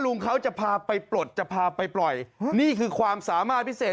ลุงเขาจะพาไปปลดจะพาไปปล่อยนี่คือความสามารถพิเศษ